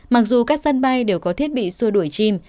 mặc dù các sân bay đều có thiết bị xua đuổi chim